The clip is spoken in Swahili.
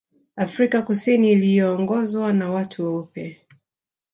Afrika Kusini iliyoongozwa na watu weupe